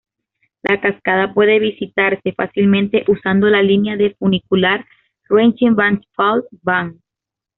La cascada puede visitarse fácilmente usando la línea de funicular Reichenbachfall-Bahn.